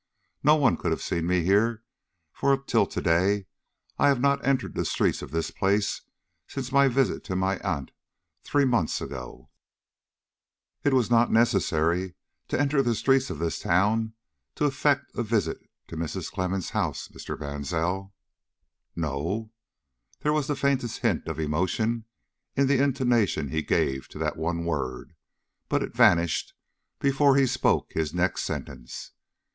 No one could have seen me here, for, till to day I have not entered the streets of this place since my visit to my aunt three months ago." "It was not necessary to enter the streets of this town to effect a visit to Mrs. Clemmens' house, Mr. Mansell." "No?" There was the faintest hint of emotion in the intonation he gave to that one word, but it vanished before he spoke his next sentence.